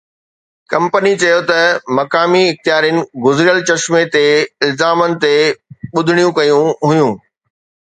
company چيو ته مقامي اختيارين گذريل چشمي تي الزامن تي ٻڌڻيون ڪيون هيون